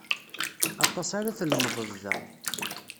Aṭas ara tlemded da.